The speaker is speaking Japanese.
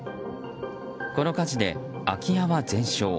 この火事で空き家は全焼。